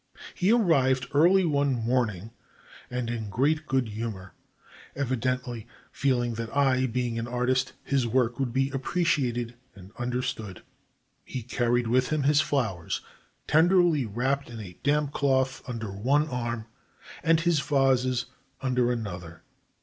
He arrived early one morning, and in great good humor, evidently feeling that I being an artist, his work would be appreciated and understood. He carried with him his flowers, tenderly wrapped in a damp cloth under one arm, and his vases under another.